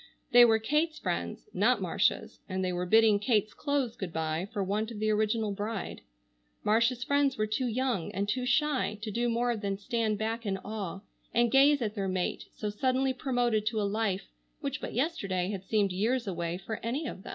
They were Kate's friends, not Marcia's, and they were bidding Kate's clothes good bye for want of the original bride. Marcia's friends were too young and too shy to do more than stand back in awe and gaze at their mate so suddenly promoted to a life which but yesterday had seemed years away for any of them.